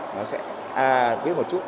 nó sẽ biết một chút